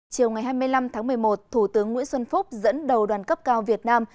chiều hai mươi năm một mươi một thủ tướng nguyễn xuân phúc dẫn đầu đoàn cấp cao việt nam